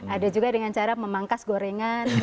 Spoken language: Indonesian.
ada juga dengan cara memangkas gorengan